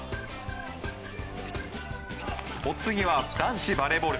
お次は男子バレーボール。